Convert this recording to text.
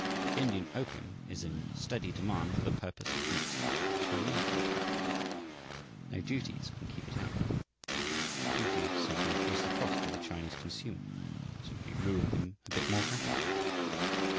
Indian opium is in steady demand for the purpose of mixing with Chinese opium. No duties can keep it out; duties simply increase the cost to the Chinese consumer, simply ruin him a bit more rapidly.